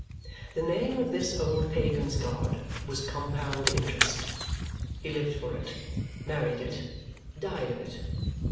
The name of this old pagan's god was Compound Interest. He lived for it, married it, died of it.